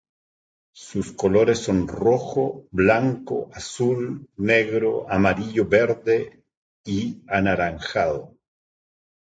Sus colores son rojo, blanco, azul, negro, amarillo, verde y anaranjado.